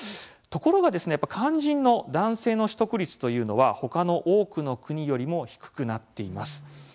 ところがですね、肝心の男性の取得率というのはほかの多くの国よりも低くなっています。